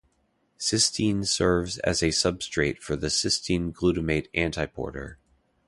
Cystine serves as a substrate for the cystine-glutamate antiporter.